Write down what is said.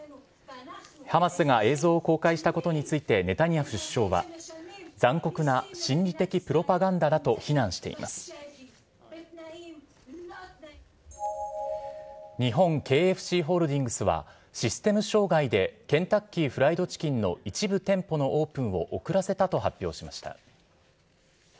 ハマスが映像を公開したことについて、ネタニヤフ首相は、残酷な心理的プロパガンダだと非難しています。日本ＫＦＣホールディングスは、システム障害で、ケンタッキー・フライド・チキンの一部店舗のオープンを遅らせたと発表しました。